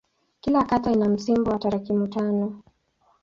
Kila kata ina msimbo wa tarakimu tano.